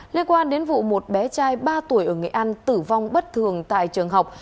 liên quan đến vụ một bé trai ba tuổi ở nghệ an tử vong bất thường tại trường học